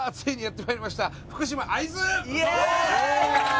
イエーイ！